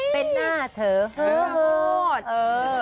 เป็นหน้าเธอเฮอ